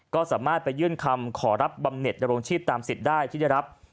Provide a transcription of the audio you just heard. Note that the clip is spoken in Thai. ก็สามารถไปยื่นคำขอรับบำเน็ตนรงชีพตามสิทธิ์ได้ที่ได้รับ